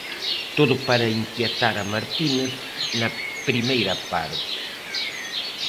Todo para inquietar a Martínez na primeira parte.